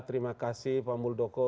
terima kasih pak muldoko